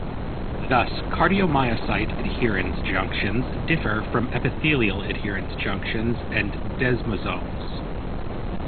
Thus cardiomyocyte adherens junctions differ from epithelial adherens junctions and desmosomes.